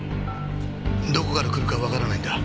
どこから来るかわからないんだ。